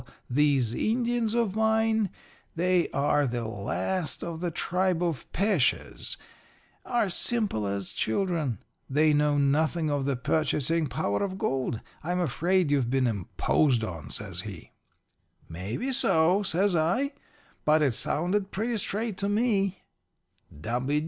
These Indians of mine they are the last of the tribe of Peches are simple as children. They know nothing of the purchasing power of gold. I'm afraid you've been imposed on,' says he. "'Maybe so,' says I, 'but it sounded pretty straight to me.'